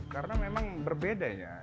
karena memang berbeda ya